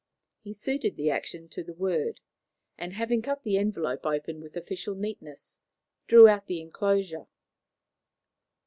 He suited the action to the word, and, having cut the envelope open with official neatness, drew out the enclosure.